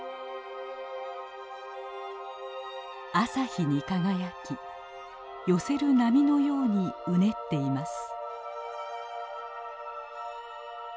朝日に輝き寄せる波のようにうねっています。